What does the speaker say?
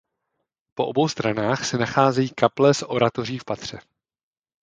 Po obou stranách se nacházejí kaple s oratoří v patře.